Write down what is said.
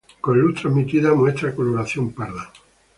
Con luz transmitida muestra coloración parda.